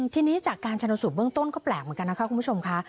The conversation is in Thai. ทีนี้จากการชนสูตรเบื้องต้นก็แปลกเหมือนกันนะคะคุณผู้ชมค่ะ